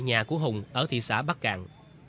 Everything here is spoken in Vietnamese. nhà của hùng ở thị xã bắc cạn